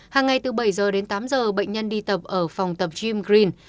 hàng ngày từ bảy h đến tám h bệnh nhân đi tập ở phòng tập gym green